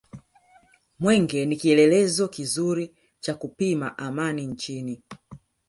mwenge ni kielelezo kizuri cha kupima amani nchini